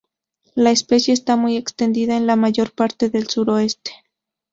La especie está muy extendida en la mayor parte del sur-oeste.